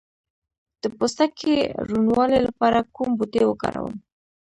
د پوستکي روڼوالي لپاره کوم بوټی وکاروم؟